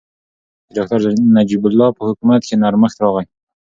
د ډاکټر نجیب الله په حکومت کې نرمښت راغی.